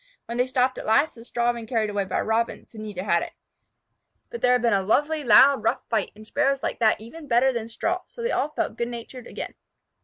When they stopped at last, the straw had been carried away by a Robin, so neither had it. But they had had a lovely, loud, rough fight, and Sparrows like that even better than straw, so they all felt good natured again.